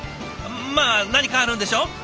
まあ何かあるんでしょう。